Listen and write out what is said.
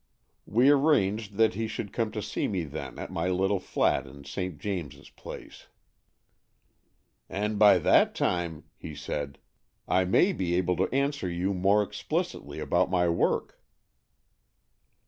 We arranged that he should come to see me then at my little flat in St. James's Place. "And by that time," he said, "I may be able to answer you more explicitly about my work."